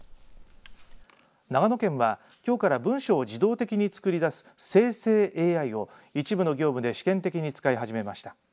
長野県はきょうから文章を自動的に作り出す生成ＡＩを一部の業務で試験的に使い始めました。